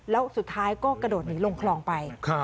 แล้วสุดท้ายก็กระโดดหนีลงคลองไป